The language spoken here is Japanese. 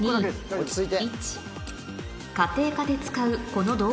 落ち着いて。